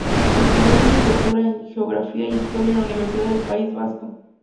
Estudió Licenciatura en Geografía e Historia en la Universidad del País Vasco.